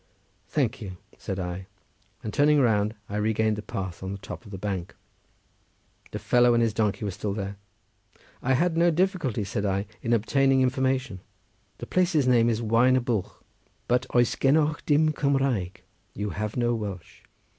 "Thank you!" said I, and turning round, I regained the path on the top of the bank. The fellow and his donkey were still there. "I had no difficulty," said I, "in obtaining information; the place's name is Waen y Bwlch. But oes genoch dim Cumraeg—you have no Welsh."